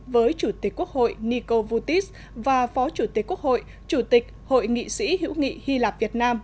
với chủ tịch quốc hội niko vutis và phó chủ tịch quốc hội chủ tịch hội nghị sĩ hữu nghị hy lạp việt nam